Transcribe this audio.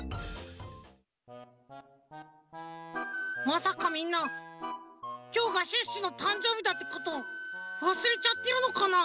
まさかみんなきょうがシュッシュのたんじょうびだってことわすれちゃってるのかな？